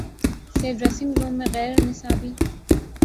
سے dressing room میں غیر نصابی